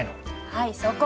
はいそこ。